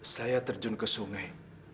saya terjun ke sungai